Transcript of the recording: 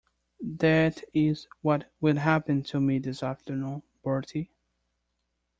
That is what will happen to me this afternoon, Bertie.